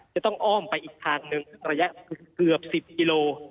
จะต้องอ้อมไปอีกทางหนึ่งระยะเกือบ๑๐กิโล